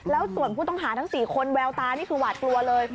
แล้วส่วนผู้ต้องหาทั้ง๔คนแววตานี่คือหวาดกลัวเลย